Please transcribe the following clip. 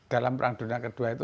dalam perang dunia kedua itu